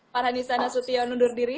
pak hanisana sutyo nundur diri